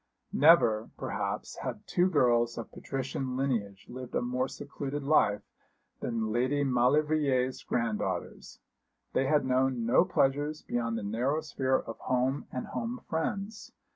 Never, perhaps, had two girls of patrician lineage lived a more secluded life than Lady Maulevrier's granddaughters. They had known no pleasures beyond the narrow sphere of home and home friends.